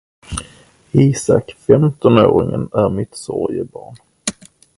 Isak, femtonåringen, är mitt sorgebarn.